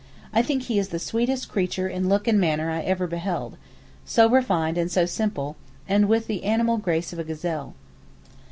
I think he is the sweetest creature in look and manner I ever beheld—so refined and so simple, and with the animal grace of a gazelle.